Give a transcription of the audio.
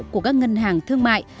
của các ngân hàng thương mại